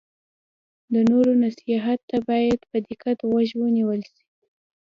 د نورو نصیحت ته باید په دقت غوږ ونیول شي.